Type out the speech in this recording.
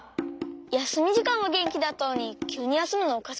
やすみじかんはげんきだったのにきゅうにやすむのおかしくない？